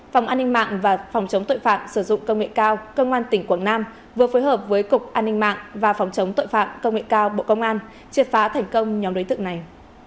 phòng an ninh mạng và phòng chống tội phạm sử dụng công nghệ cao công an tỉnh quảng nam vừa phối hợp với cục an ninh mạng và phòng chống tội phạm công nghệ cao bộ công an triệt phá thành công nhóm đối tượng này